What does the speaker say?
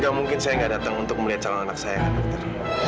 gak mungkin saya gak datang untuk melihat tangan anak saya dokter